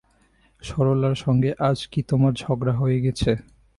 সরলার সঙ্গে আজ কি তোমার ঝগড়া হয়ে গেছে।